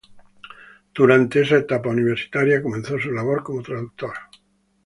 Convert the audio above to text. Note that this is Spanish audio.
Durante esa etapa universitaria comenzó su labor como traductor.